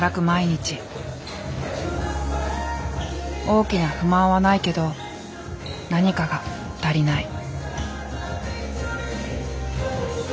大きな不満はないけど何かが足りない。